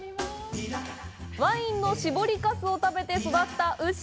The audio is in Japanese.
ワインの搾りかすを食べて育った牛！